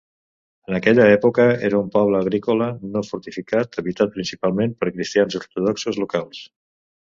En aquella època, era un poble agrícola no fortificat habitat principalment per cristians ortodoxos locals.